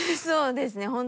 そうですね